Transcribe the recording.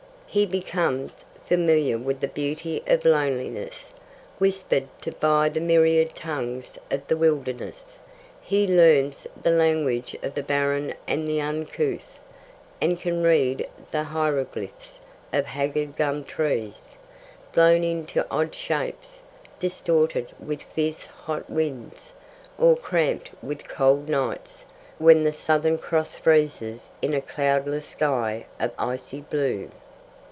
He becomes familiar with the beauty of loneliness. Whispered to by the myriad tongues of the wilderness, he learns the language of the barren and the uncouth, and can read the hieroglyphs of haggard gum trees, blown into odd shapes, distorted with fierce hot winds, or cramped with cold nights, when the Southern Cross freezes in a cloudless sky of icy blue.